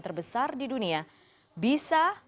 terbesar di dunia bisa